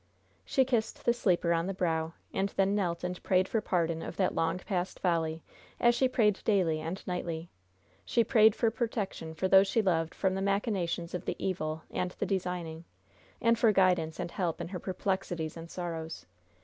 She kissed the sleeper on the brow, and then knelt and prayed for pardon of that long past folly, as she prayed daily and nightly; she prayed for protection for those she loved from the machinations of the evil and the designing, and for guidance and help in her perplexities and sorrows.